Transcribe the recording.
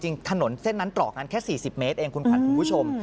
ถนนเส้นนั้นตรอกกันแค่๔๐เมตรเองคุณขวัญคุณผู้ชม